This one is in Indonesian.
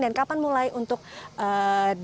dan kapan mulai untuk disiapkan